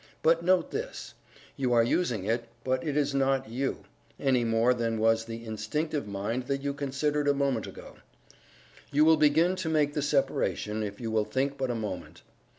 But note this: You are using it, but it is not You, any more than was the Instinctive Mind that you considered a moment ago. You will begin to make the separation, if you will think but a moment.